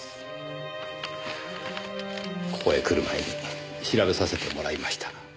ここへ来る前に調べさせてもらいました。